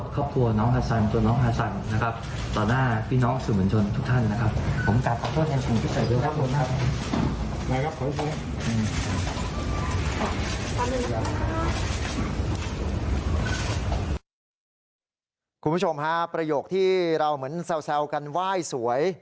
คุณผู้ชมฮะประโยคที่เราเหมือนแซวกันไหว้สวย